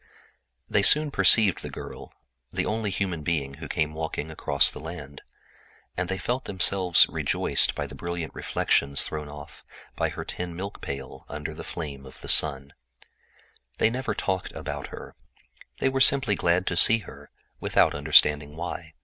They soon perceived the girl, the only human being within vision, and were gladdened by the brilliant reflections thrown off by the tin milk pail under the rays of the sun. They never talked about her. They were simply glad to see her, without understanding why.